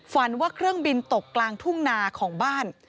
ว่าเครื่องบินตกกลางทุ่งนาของบ้าน